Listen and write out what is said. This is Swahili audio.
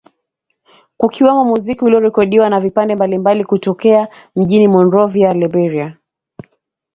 Kukiwemo muziki uliorekodiwa na vipindi mbalimbali kutokea mjini Monrovia, Liberia